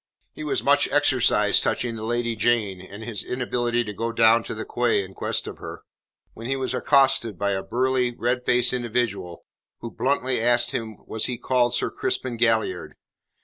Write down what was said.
He was much exercised touching the Lady Jane and his inability to go down to the quay in quest of her, when he was accosted by a burly, red faced individual who bluntly asked him was he called Sir Crispin Galliard.